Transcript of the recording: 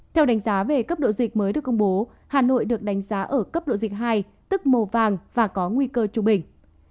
theo đánh giá về cấp độ dịch mới được công bố hà nội được đánh giá ở cấp độ dịch hai tức màu vàng và có nguy cơ trung bình